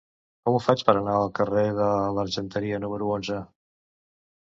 Com ho faig per anar al carrer de l'Argenteria número onze?